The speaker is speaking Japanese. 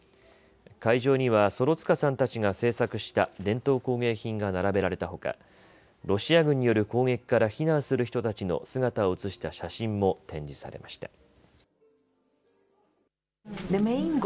会場にはソロツカさんたちが制作した伝統工芸品が並べられたほかロシア軍による攻撃から避難する人たちの姿を映した写真も展示されました。